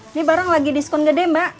ini barang lagi diskon gede mbak